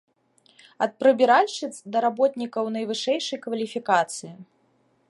Ад прыбіральшчыц да работнікаў найвышэйшай кваліфікацыі.